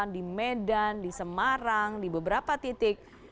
di medan di semarang di beberapa titik